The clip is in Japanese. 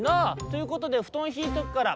「ということでふとんひいとくから」。